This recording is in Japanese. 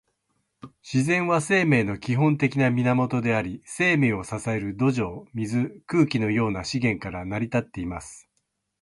自然は、生命の基本的な源であり、生命を支える土壌、水、空気のような資源から成り立っています。